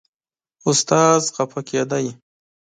استاد خپه کېده.